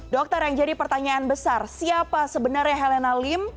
dokter yang jadi pertanyaan besar siapa sebenarnya helena lim